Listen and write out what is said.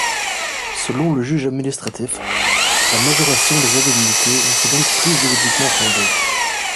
Selon le juge administratif, la majoration des indemnités n’était donc plus juridiquement fondée.